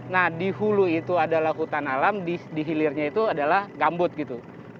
nah di hulu itu adalah hutan alam di hilirnya itu adalah gambut gitu